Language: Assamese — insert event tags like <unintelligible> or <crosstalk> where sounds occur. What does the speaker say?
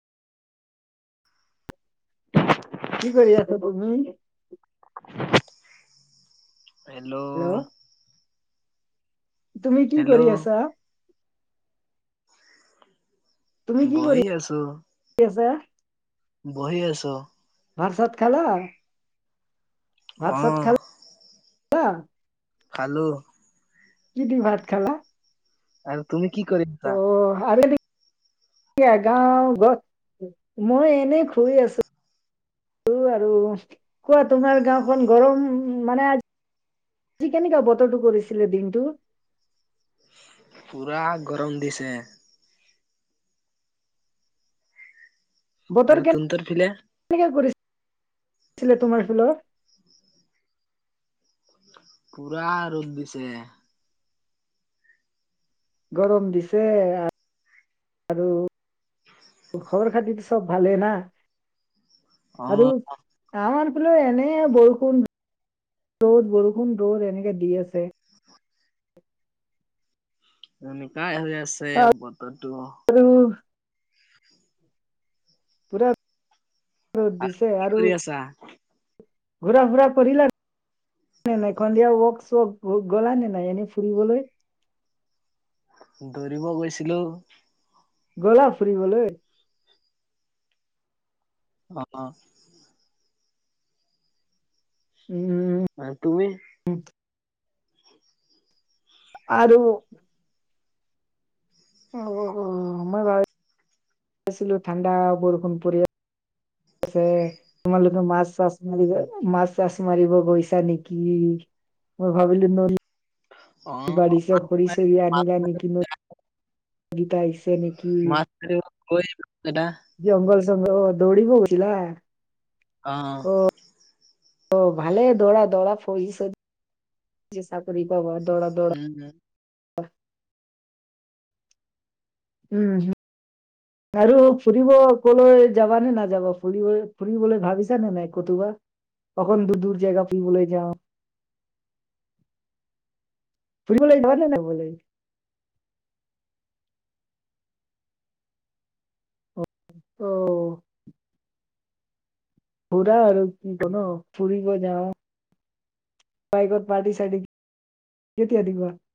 <unintelligible> কি কৰি আছা তুমি? হেল্ল'ও হেল্ল' তুমি কি হেল্ল' কৰি আছা? তুমি কি বহি কৰি আছো আছা? বহি আছোঁ। ভাত চাত খালা? ভাত অ। চাত খালা? খালোঁ। কি দি ভাত খালা? আৰু তুমি কি কৰিছা অ' আৰু গাওঁ গ, মই এনে শুই আছো। আৰু কোৱা গাওঁখন গৰম মানে আজি আজি কেনেকোৱা বতৰটো কৰিছিলে দিনটো? পুৰা গৰম দিছে। আৰু তুনতন ফিলে? কেনে কৰিছিলে তোমাৰ ফালৰ? পুৰা ৰ'দ দিছে। গৰম দিছে আৰু খবৰ খাতিটো চব ভালে না, অ আৰু আমাৰ ফালে এনে বৰষুণ, ৰ'দ, বৰষুণ, ৰ'দ এনেকে দি আছে। এনেকাই হৈ আছে বতৰটো। আৰু পুৰা ৰ'দ দিছে কি আৰু কৰি আছা ঘূৰা ফুৰা কৰিলা নাই, সন্ধিয়া ৱক চক গলা নে নাই এনেই ফুৰিবলৈ? দৌৰিব গৈছিলো। গলা ফুৰিবলে? অ' অ'। উম উম। আৰু তুমি? আৰু মই ভাবিছিলো ঠাণ্ডা বৰষুণ পৰি আছে। তোমালোকে মাছ চাছ মাৰিব মাছ চাছ মাৰিব গৈছা নেকি? মই ভাবিলো ন অ বাঢ়িছে মাছ খৰি মাছ চৰি আনিলা মাছ নেকি? গোটাইছে নেকি? <unintelligible> লেদা জংঘল চ‍ংঘল দৌৰিব গৈছিলা? অ' অ' অ' অ' ভালে দৌৰা দৌৰা ফৌজিচন। যি চাকৰি পাবা দৌৰা দৌৰা। উম, উম। উম, হম। আৰু ফুৰিব কলৈ যাবা নে নাযাবা, ফুৰিব ফুৰিবলৈ ভাবিছা নাই কতো বা? অকন দূৰ দূৰ জেগা ফুৰিবলৈ যাওঁ। ফুৰিবলৈ যাব লাগিব। অ'। ফুৰা আৰু কিন্তু ন ফুৰিব যাওঁ। বাইকত পাৰ্টি চাৰটি কেতিয়া দিবা?